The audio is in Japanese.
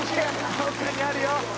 どこかにあるよ！」